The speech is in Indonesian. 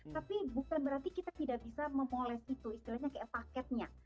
tapi bukan berarti kita tidak bisa memoles itu istilahnya kayak paketnya